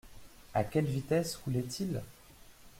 À quelle vitesse roulait-il ?